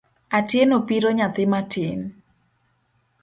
Atieno piro nyathi matin.